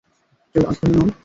কেউ আগ্রহী নন?